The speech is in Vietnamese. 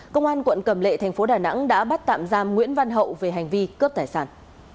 công an quận cầm lệ thành phố đà nẵng đã bắt tạm giam nguyễn văn hậu về hành vi cướp tài sản